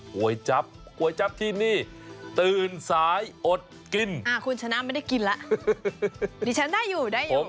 ๋วยจับก๋วยจับที่นี่ตื่นสายอดกินคุณชนะไม่ได้กินแล้วดิฉันได้อยู่ได้อยู่